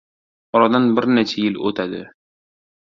Oradan bir necha yil oʻtadi.